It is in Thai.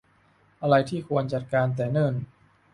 อะไรที่ควรจัดการแต่เนิ่น